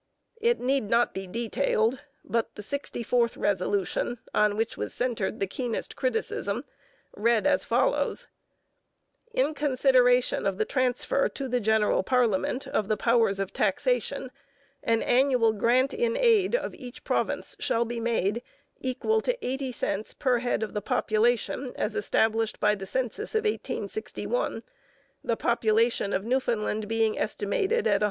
It need not be detailed, but the sixty fourth resolution, on which was centred the keenest criticism, reads as follows: In consideration of the transfer to the general parliament of the powers of taxation, an annual grant in aid of each province shall be made, equal to 80 cents per head of the population as established by the census of 1861, the population of Newfoundland being estimated at 130,000.